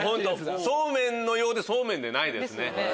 そうめんのようでそうめんでないですね。